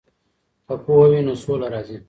که پوهه وي نو سوله راځي.